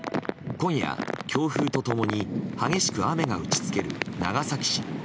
今夜、強風と共に激しく雨が打ち付ける長崎市。